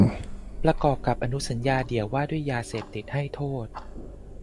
ประกอบกับอนุสัญญาเดี่ยวว่าด้วยยาเสพติดให้โทษ